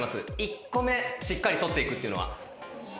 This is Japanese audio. １個目しっかりとっていくっていうのは。